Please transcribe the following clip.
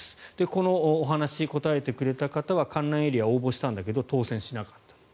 このお話、答えてくれた方は観覧エリアに応募したんだけど当選しなかった。